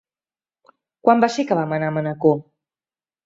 Quan va ser que vam anar a Manacor?